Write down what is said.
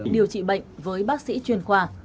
điều trị bệnh với bác sĩ chuyên khoa